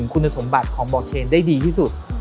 คุณสมบัติของบอร์เชนได้ดีที่สุด